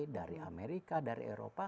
dari amerika dari eropa